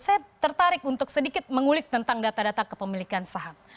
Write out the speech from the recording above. saya tertarik untuk sedikit mengulik tentang data data kepemilikan saham